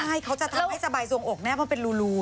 ใช่เขาจะทำให้สบายสวงอกแน่เพราะเป็นรู